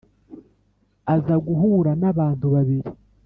aza guhura n' abantu babiri,